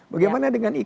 bagaimana dengan ikn